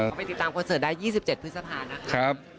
ไปติดตามคอนเสิร์ตได้๒๗พฤษภานะครับ